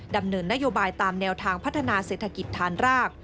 ดำเนินนโยบายตามแนวทางพัฒนาเศรษฐกิจฐานราก